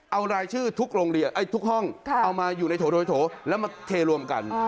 เอารายชื่อทุกห้องเอามาอยู่ในโถแล้วมาเทรวมกัน